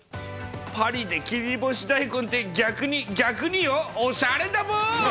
パリで切り干し大根って、逆に、逆によ、おしゃれだボー。